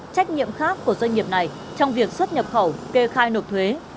trách nhiệm khác của doanh nghiệp này trong việc xuất nhập khẩu kê khai nộp thuế